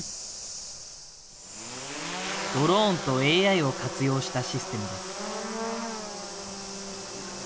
ドローンとＡＩを活用したシステムです。